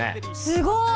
すごい。